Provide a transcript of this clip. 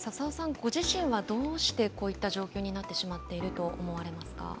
ご自身はどうしてこういった状況になってしまっていると思われますか。